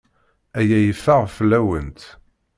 Aya yeffeɣ fell-awent.